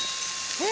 えっ。